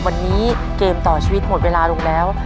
วันนี้เกมต่อชีวิตหมดเวลาลงแล้ว